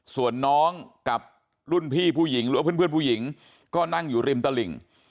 ส่วนน้องกับรุ่นพี่ผู้หญิงหรือว่าเพื่อนผู้หญิงก็นั่งอยู่ริมตลิ่ง